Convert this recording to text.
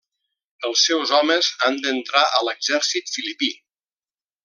Els seus homes han d'entrar a l'exèrcit filipí.